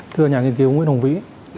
thưa nhà nghiên cứu nguyễn hồng vĩ